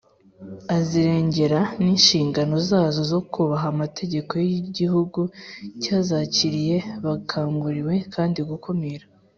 azirengera n inshingano zazo zo kubaha amategeko y igihugu cyazakiriye Bakanguriwe kandi gukumira